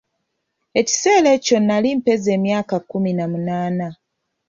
Ekiseera ekyo nnali mpeza emyaka kkumi na munaana.